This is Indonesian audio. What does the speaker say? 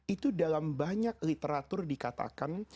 itu dalam banyak literatur dikatakan